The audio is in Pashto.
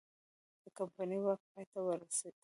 د کمپنۍ واک پای ته ورسید.